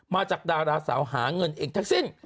จากดาราสาวหาเงินเองทั้งสิ้น